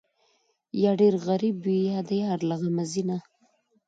یا ډېر غریب وي، یا د یار له غمه ځینه